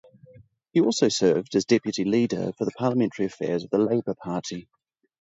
He also served as Deputy Leader for Parliamentary Affairs of the Labour Party.